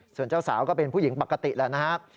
ส่วนเจ้าสาวก็เป็นผู้หญิงปกติแล้วนะครับ